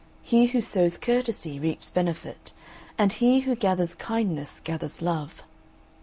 He who sows courtesy reaps benefit; and he who gathers kindness gathers love.